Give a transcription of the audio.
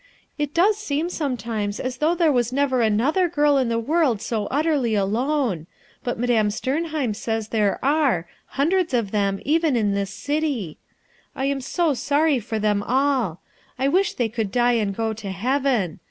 It does seem sometimes as though there was never another girl in the world so ntterlv alone; but Madame Sternheim says there are, hundreds of them, even in this city 1 I am so sorry for them all I I wish they could die and go to heaven.